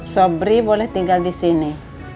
sobri boleh tinggal di sini